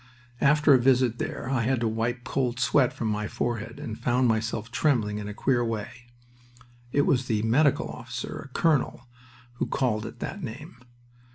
After a visit there I had to wipe cold sweat from my forehead, and found myself trembling in a queer way. It was the medical officer a colonel who called it that name.